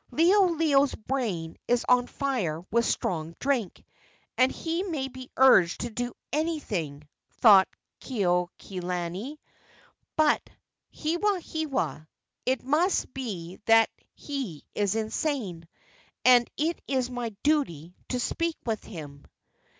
"Liholiho's brain is on fire with strong drink, and he may be urged to do anything," thought Kekuaokalani; "but Hewahewa it must be that he is insane, and it is my duty to speak with him."